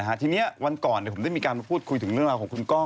ถ้าเกิดอยากได้เหรียญทองต้องแข่งขันกัน